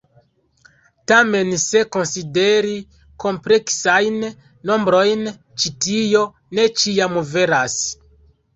Tamen se konsideri kompleksajn nombrojn, ĉi tio ne ĉiam veras.